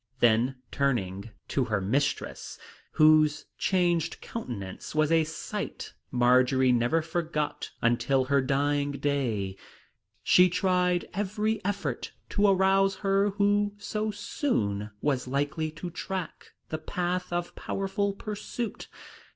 Then, turning to her mistress, whose changed countenance was a sight Marjory never forgot until her dying day, she tried every effort to arouse her who so soon was likely to track the path of powerful pursuit.